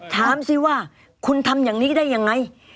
ถามสิว่าคุณทำอย่างนี้ได้ยังไง